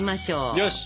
よし！